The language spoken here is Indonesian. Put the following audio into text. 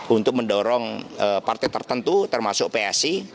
untuk mendorong partai tertentu termasuk psi